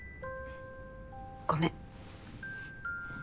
ごめん。